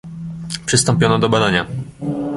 "Przystąpiono do badania."